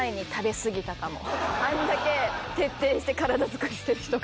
あんだけ徹底して体づくりしてる人が。